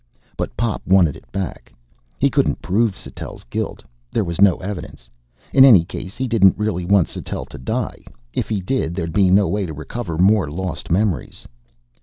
But Pop wanted it back. He couldn't prove Sattell's guilt. There was no evidence. In any case, he didn't really want Sattell to die. If he did, there'd be no way to recover more lost memories.